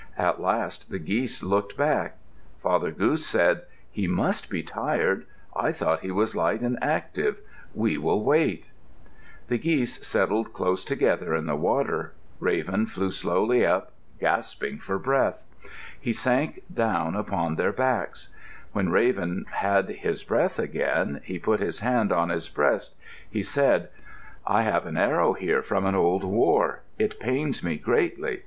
At last the geese looked back. Father Goose said, "He must be tired. I thought he was light and active. We will wait." [Illustration: Shoup's Glacier, Valdez] [Illustration: Birdseye View of Valdez] The geese settled close together in the water. Raven flew slowly up, gasping for breath. He sank down upon their backs. When Raven had his breath again, he put his hand on his breast. He said, "I have an arrow here from an old war. It pains me greatly.